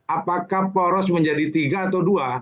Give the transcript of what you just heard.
apakah poros menjadi tiga atau dua